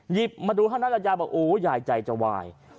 หยิบมาดูเท่านั้นยายบอกโอ้ยายใจจะวาย